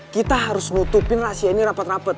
kita harus nutupin rahasia ini rapet rapet